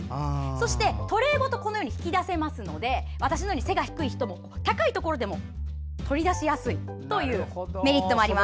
そしてトレーごと引き出せるので私のように背が低い人も高いところでも取り出しやすいというメリットもあります。